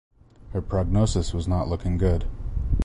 Her prognosis was not looking good.